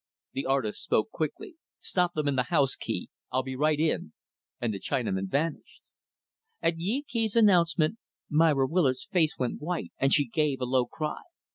The artist spoke quickly, "Stop them in the house, Kee; I'll be right in," and the Chinaman vanished. At Yee Kee's announcement, Myra Willard's face went white, and she gave a low cry.